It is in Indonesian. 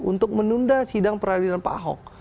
untuk menunda sidang peradilan pak ahok